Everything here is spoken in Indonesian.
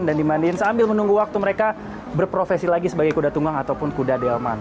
dan dimandiin sambil menunggu waktu mereka berprofesi lagi sebagai kuda tunggang ataupun kuda delman